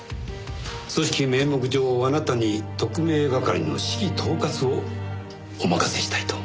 組織名目上あなたに特命係の指揮統括をお任せしたいと。